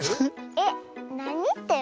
えっなにってる？